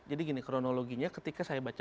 jadi gini kronologinya ketika saya baca